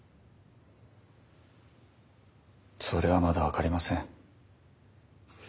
それはまだ分かりません。